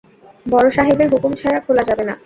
বড়সাহেবের হুকুম ছাড়া খোলা যাবে না।